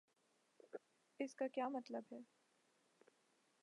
اس کا کیا مطلب ہے؟